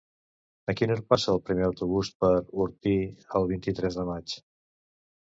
A quina hora passa el primer autobús per Orpí el vint-i-tres de maig?